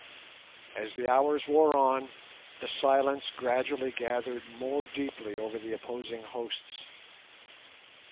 As the hours wore on, the silence gradually gathered more deeply over the opposing hosts.